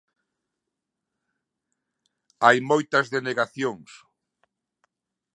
Hai moitas denegacións.